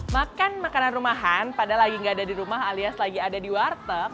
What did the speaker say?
makan makanan rumahan padahal lagi nggak ada di rumah alias lagi ada di warteg